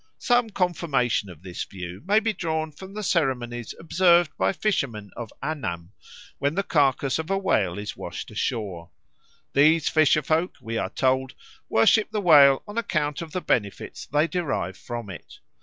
Some confirmation of this view may be drawn from the ceremonies observed by fishermen of Annam when the carcase of a whale is washed ashore. These fisherfolk, we are told, worship the whale on account of the benefits they derive from it.